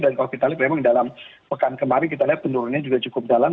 dan kalau kita lihat memang dalam pekan kemarin kita lihat penurunannya juga cukup dalam